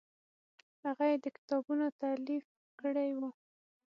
هغه یې د کتابونو تالیف کړی و.